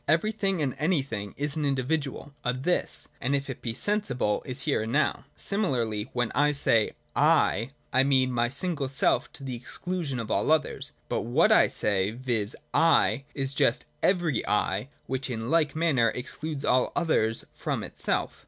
Everything and anything is an individual, a 'this,' and if it be sensible, is here and now. Similarly when I say, ' I,' I mean my single self to the exclusion of all others : but what I say, viz. ' I,' is just every ' I,' which in like manner excludes all others from itself.